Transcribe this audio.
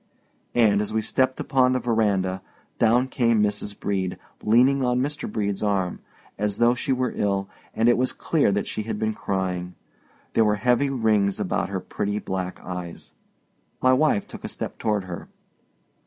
And, as we stepped upon the verandah, down came Mrs. Brede, leaning on Mr. Brede's arm, as though she were ill; and it was clear that she had been crying. There were heavy rings about her pretty black eyes. My wife took a step toward her.